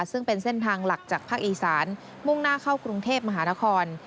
ซึ่งเป็นเส้นทางหลักจากภาคอีสานมุ่งหน้าเข้ากรุงเทพมหานคร